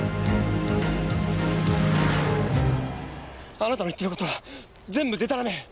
あなたの言っている事は全部でたらめ。